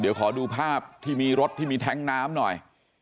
เดี๋ยวขอดูภาพที่มีรถที่มีแท้งน้ำหน่อย